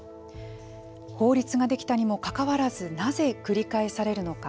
法律ができたにもかかわらずなぜ、繰り返されるのか。